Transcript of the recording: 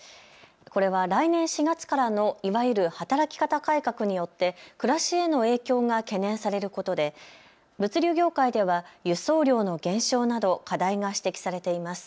これは来年４月からのいわゆる働き方改革によって暮らしへの影響が懸念されることで物流業界では輸送量の減少など課題が指摘されています。